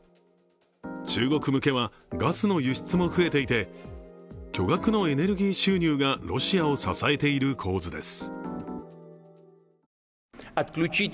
中国向けはガスの輸出も増えていて、巨額のエネルギー収入がロシアを支えている構図です。